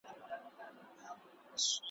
داسي ټکه یې پر کور وه را لوېدلې `